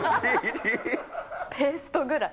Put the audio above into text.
ペーストぐらい。